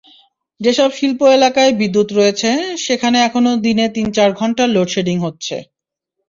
যেসব শিল্প এলাকায় বিদ্যুৎ রয়েছে, সেখানে এখনো দিনে তিন-চার ঘণ্টার লোডশেডিং হচ্ছে।